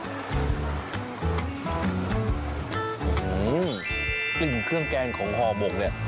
อื้อหือจึงเครื่องแกงของหอมกเนี่ย